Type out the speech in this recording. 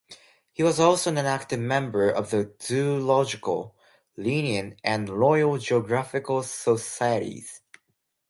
He was also an active member of the Zoological, Linnean and Royal Geographical Societies.